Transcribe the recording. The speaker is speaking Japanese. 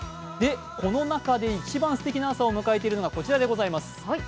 この中で一番すてきな朝を迎えているのがこちらでございます。